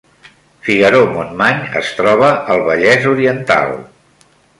Figaró-Montmany es troba al Vallès Oriental